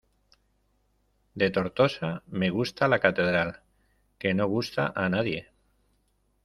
De Tortosa me gusta la catedral, ¡que no gusta a nadie!